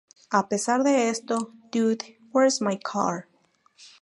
A pesar de esto, "Dude, Where's My Car?